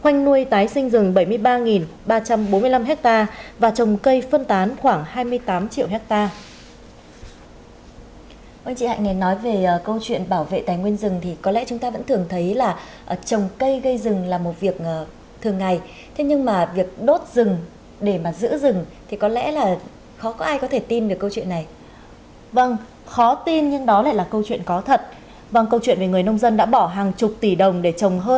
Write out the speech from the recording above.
khoanh nuôi tái sinh rừng bảy mươi ba ba trăm bốn mươi năm hectare và trồng cây phân tán khoảng hai mươi tám triệu hectare